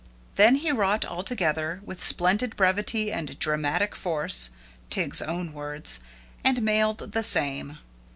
Then he wrought all together, with splendid brevity and dramatic force, Tig's own words, and mailed the same.